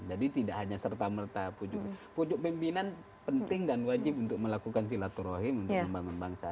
tidak hanya serta merta pucuk pimpinan penting dan wajib untuk melakukan silaturahim untuk membangun bangsa